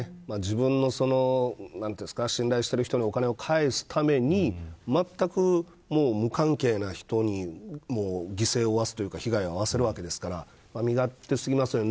自分の信頼してる人にお金を返すためにまったく無関係な人に犠牲を負わすというか被害に遭わせるわけですから身勝手過ぎますよね。